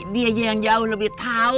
dia aja yang jauh lebih tau